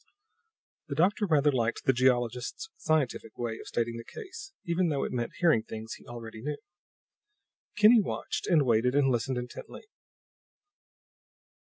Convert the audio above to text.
The doctor rather liked the geologist's scientific way of stating the case, even though it meant hearing things he already knew. Kinney watched and waited and listened intently.